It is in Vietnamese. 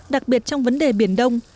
đặc biệt trong vấn đề biển đông